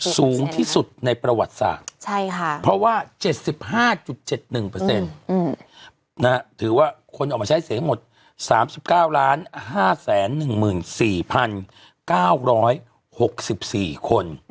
สูงที่สุดในประวัติศาสตร์เพราะว่า๗๕๗๑ถือว่าคนออกมาใช้เสียงหมด๓๙๕๑๔๙๖๔คน